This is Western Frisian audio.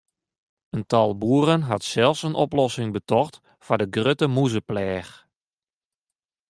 In tal boeren hat sels in oplossing betocht foar de grutte mûzepleach.